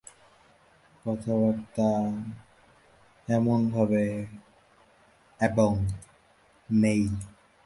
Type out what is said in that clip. এবং এমনভাবে কথা বলছেন, যেন আগের কথাবার্তা তাঁর কিছুই মনে নেই।